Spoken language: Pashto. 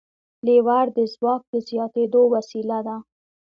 لیور د ځواک د زیاتېدو وسیله ده.